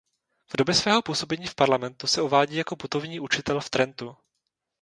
V době svého působení v parlamentu se uvádí jako putovní učitel v Trentu.